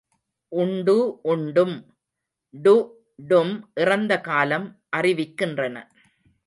உண்டு உண்டும் டு, டும் இறந்த காலம் அறிவிக்கின்றன.